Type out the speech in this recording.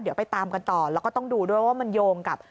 เดี๋ยวไปตามกันต่อแล้วก็ต้องดูด้วยว่ามันโยงกับ